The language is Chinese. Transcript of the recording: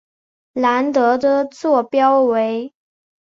兰德的座标为。